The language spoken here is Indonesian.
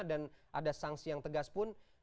dan ada sanksi yang tegaspun